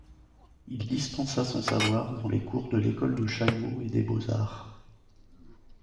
Il dispensa son savoir dans les cours de l'École de Chaillot et des Beaux-Arts.